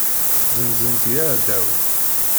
Zzenzen-tt i yeεdawen.